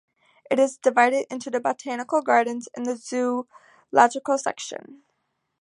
It is divided into the botanical garden and the zoological section.